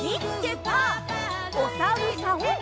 おさるさん。